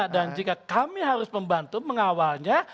jika kami harus membantu mengawalnya